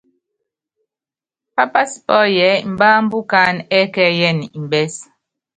Pápási pɔ́yɔ ɛ́ɛ́ mbambɛ́ ukánɛ ɛ́kɛ́yɛnɛ mbɛ́s.